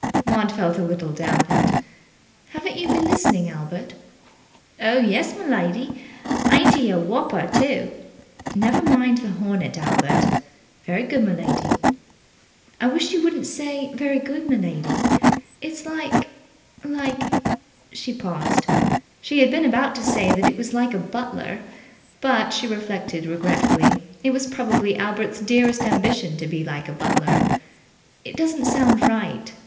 Maud felt a little damped. "Haven't you been listening, Albert?" "Oh, yes, m'lady! Ain't he a wopper, too?" "Never mind the hornet, Albert." "Very good, m'lady." "I wish you wouldn't say 'Very good, m'lady'. It's like like " She paused. She had been about to say that it was like a butler, but, she reflected regretfully, it was probably Albert's dearest ambition to be like a butler. "It doesn't sound right.